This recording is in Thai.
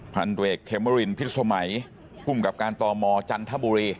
พันธุรกิจตมเขมรินพิศมัยคุมกับการต่อมจันทบุรี